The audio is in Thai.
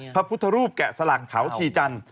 พระพุทธรูปแกะสลักเขาชีจันทร์